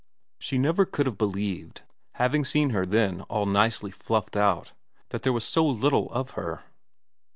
She never could have believed, having seen her then all nicely fluffed out, that there was so little of her.